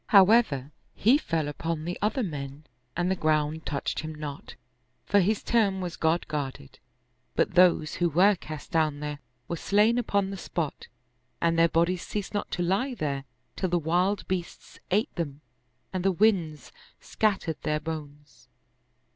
However, he fell upon the other men and the ground touched him not, for his term was God guarded. But those who were cast down there were slain upon the spot and their bodies ceased not to lie there till the wild beasts ate them and the winds scattered their bones.